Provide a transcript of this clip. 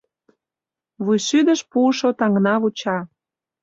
Вуйшӱдыш пуышо таҥна вуча.